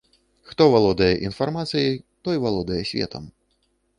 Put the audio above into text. Хто валодае інфармацыяй, той валодае светам.